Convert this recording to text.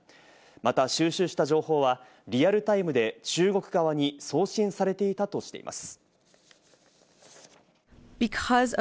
また収集した情報はリアルタイムで中国側に送信されていたとしています。